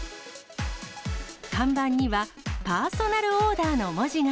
看板には、パーソナルオーダーの文字が。